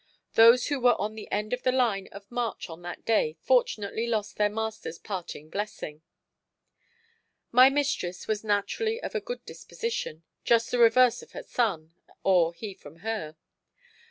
Those who were on the end of the line of march on that day fortunately lost their master's parting blessing. My mistress was naturally of a good disposition, just the reverse of her son, or he from her.